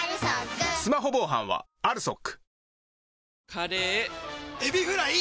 カレーエビフライ！